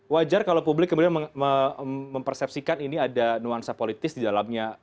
wajar kalau publik kemudian mempersepsikan ini ada nuansa politis di dalamnya